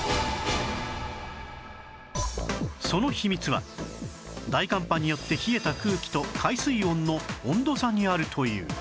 その秘密は大寒波によって冷えた空気と海水温の温度差にあるという